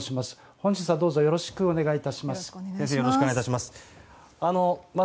本日はどうぞよろしくお願いします。